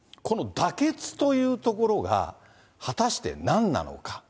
この妥結というところが、果たしてなんなのか。